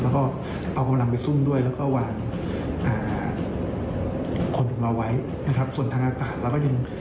แล้วก็เอากำลังไปซุ่มด้วยแล้วก็วางคนออกมาไว้นะครับส่วนทางอากาศเราก็ยัง